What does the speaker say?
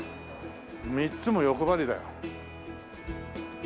３つも欲張りだよ。